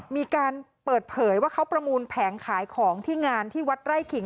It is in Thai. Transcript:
มีการเปิดเผยว่าเขาประมูลแผงขายของที่งานที่วัดไร่ขิง